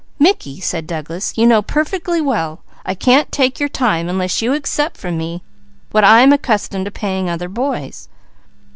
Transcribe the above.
"Mickey," said Douglas, "you know perfectly I can't take your time unless you accept from me what I am accustomed to paying other boys."